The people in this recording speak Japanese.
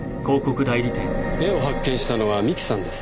絵を発見したのは三木さんです。